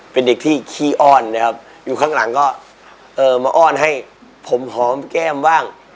เป็นเด็กที่ขี้อ้อนนะครับอยู่ข้างหลังก็เอ่อมาอ้อนให้ผมหอมแก้มบ้าง